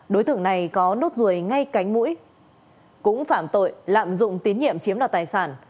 đối tượng này có nốt ruồi ngay cánh mũi cũng phạm tội lạm dụng tín nhiệm chiếm đoạt tài sản